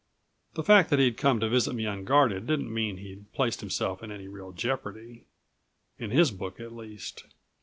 The fact that he'd come to visit me unguarded didn't mean he'd placed himself in any real jeopardy ... in his book at least.